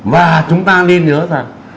và chúng ta nên nhớ rằng